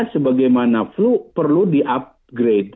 sebagaimana flu perlu di upgrade